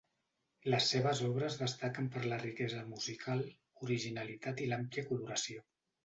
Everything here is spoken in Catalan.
Les seves obres destaquen per la riquesa musical, originalitat i l'àmplia coloració.